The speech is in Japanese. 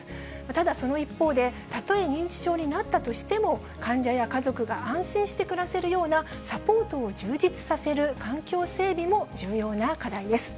ただその一方で、たとえ認知症になったとしても、患者や家族が安心して暮らせるようなサポートを充実させる環境整備も重要な課題です。